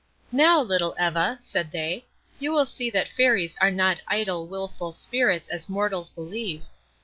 "Now, little Eva," said they, "you will see that Fairies are not idle, wilful Spirits, as mortals believe.